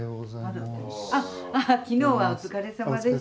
あ昨日はお疲れさまでした。